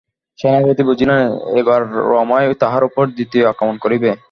সেনাপতি বুঝিলেন, এবার রমাই তাঁহার উপর দ্বিতীয় আক্রমণ করিবে।